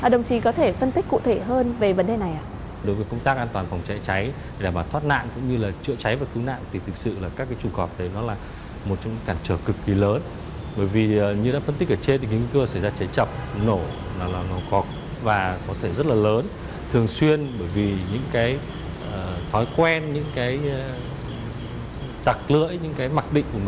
đồng chí có thể phân tích cụ thể hơn về vấn đề này ạ